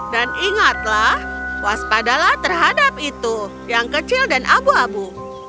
dan ingatlah waspadalah terhadap itu yang kecil dan abu abu